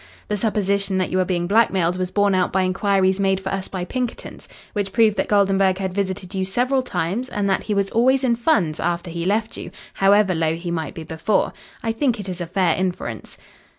The supposition that you were being blackmailed was borne out by inquiries made for us by Pinkerton's, which proved that Goldenburg had visited you several times and that he was always in funds after he left you, however low he might be before. I think it is a fair inference."